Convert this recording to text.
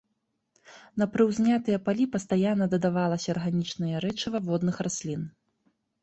На прыўзнятыя палі пастаянна дадавалася арганічнае рэчыва водных раслін.